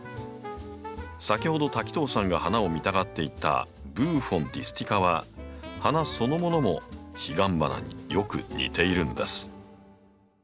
先ほど滝藤さんが花を見たがっていたブーフォン・ディスティカは花そのものもヒガンバナによく似ているんです。